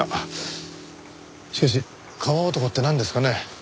しかし川男ってなんですかね？